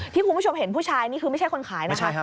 คุณผู้ชมเห็นผู้ชายนี่คือไม่ใช่คนขายนะคะ